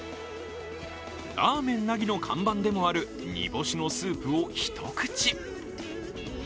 ラーメン凪の看板でもある煮干しのスープを一口。